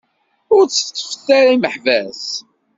Ur tteṭṭfet ara imeḥbas!